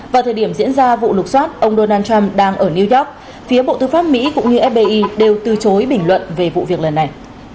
vào thời điểm diễn ra vụ lục xoát ông donald trump đang ở new york phía bộ tư pháp mỹ cũng như fbi đều từ chối bình luận về vụ việc lần này